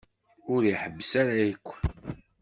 Ur iḥebbes ara akk.